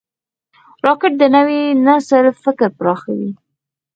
راکټ د نوي نسل فکر پراخوي